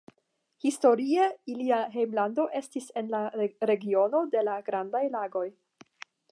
Historie ilia hejmlando estis en la regiono de la Grandaj Lagoj.